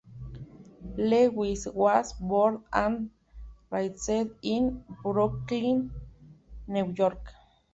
Lewis was born and raised in Brooklyn, New York.